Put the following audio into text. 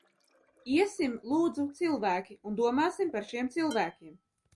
Iesim, lūdzu, cilvēki, un domāsim par šiem cilvēkiem!